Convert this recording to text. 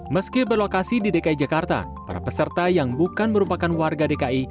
meski berlokasi di dki jakarta para peserta yang bukan merupakan warga dki